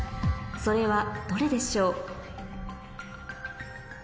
それはどれでしょう？